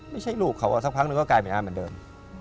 ไม่ใช่ลูกเขาสักพักนึงก็กลายเป็นอาเหมือนเดิม